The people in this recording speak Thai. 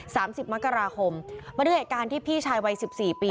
สิบมกราคมมาด้วยเหตุการณ์ที่พี่ชายวัยสิบสี่ปี